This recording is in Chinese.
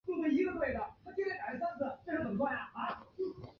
扁刺蔷薇为蔷薇科蔷薇属下的一个变种。